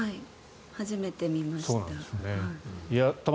初めて見ました。